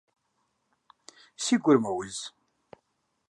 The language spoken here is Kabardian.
Си гур мэуз.